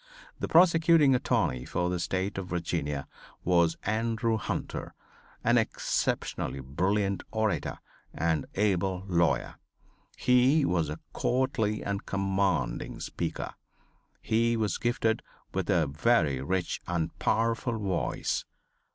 The prosecuting attorney for the State of Virginia was Andrew Hunter, an exceptionally brilliant orator and able lawyer. He was a courtly and commanding speaker. He was gifted with a rich and powerful voice.